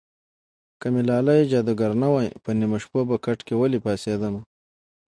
که مې لالی جادوګر نه وای په نیمو شپو به کټ کې ولې پاڅېدمه